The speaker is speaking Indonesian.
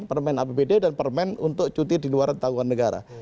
permen apbd dan permen untuk cuti di luar tanggungan negara